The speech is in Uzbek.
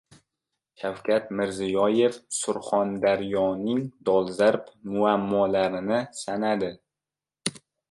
Shavkat Mirziyoyev Surxondaryoning dolzarb muammolarini sanadi